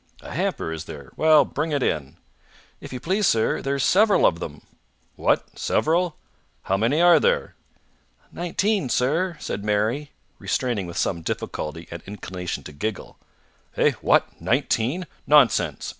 "A hamper, is there? Well, bring it in." "If you please, sir, there's several of them." "What? Several? How many are there?" "Nineteen, sir," said Mary, restraining with some difficulty an inclination to giggle. "Eh? What? Nineteen? Nonsense!